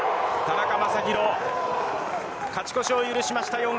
田中将大勝ち越しを許しました